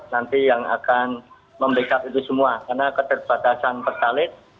nanti yang akan membackup itu semua karena keterbatasan pertalit